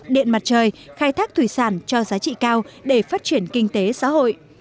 điện mặt trời khai thác thủy sản cho giá trị cao để phát triển kinh tế xã hội